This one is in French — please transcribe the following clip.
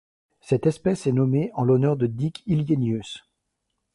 Cette espèce est nommée en l'honneur de Dick Hillenius.